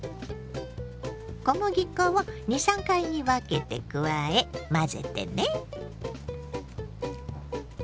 小麦粉を２３回に分けて加え混ぜてね。